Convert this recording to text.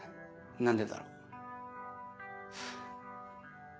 何でだろう？